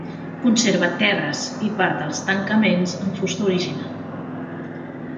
Conserva terres i part dels tancaments en fusta original.